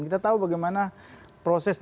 kita tahu bagaimana proses